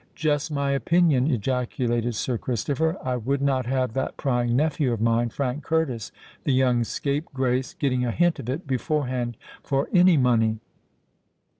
"Just my opinion!" ejaculated Sir Christopher. "I would not have that prying nephew of mine, Frank Curtis—the young scapegrace—getting a hint of it beforehand, for any money."